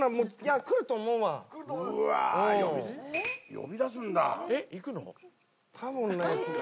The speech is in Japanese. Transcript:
呼び出すんだ。